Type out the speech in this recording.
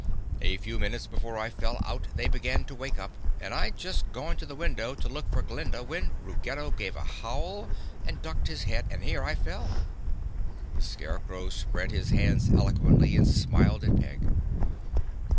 "A few minutes before I fell out they began to wake up and I'd just gone to the window to look for Glinda when Ruggedo gave a howl and ducked his head and here I fell." The Scarecrow spread his hands eloquently and smiled at Peg.